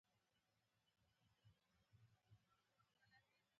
د پلاسټیک سوځول زهرجن ګازونه تولیدوي.